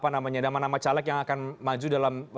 nama nama caleg yang akan maju dalam